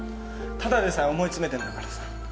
ただでさえ思い詰めてんだからさ。